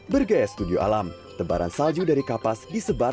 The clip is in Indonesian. bergaya studio alam tebaran salju dari kapas disebarkan